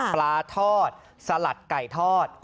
ปลาทอดสลัดไก่ทอด